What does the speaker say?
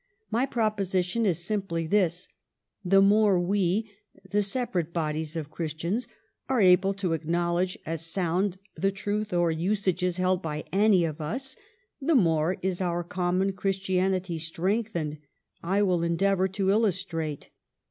My proposition is simply this — the more we, the sepa rate bodies of Christians, are able to acknowledo^e as sound the truth or usages held by any of us, the more is our common Christianity strengthened. I will endeavor to illustrate.